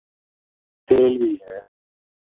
تیل بھی ہے۔